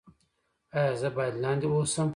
ایا زه باید لاندې اوسم؟